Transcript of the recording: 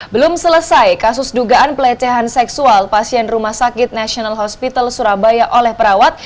belum selesai kasus dugaan pelecehan seksual pasien rumah sakit national hospital surabaya oleh perawat